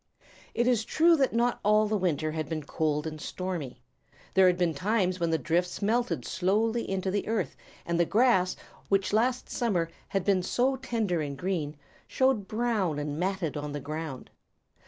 It is true that not all the winter had been cold and stormy. There were times when the drifts melted slowly into the earth, and the grass, which last summer had been so tender and green, showed brown and matted on the ground.